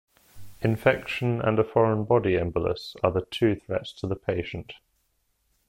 Infection, and a foreign body embolus are the two threats to the patient.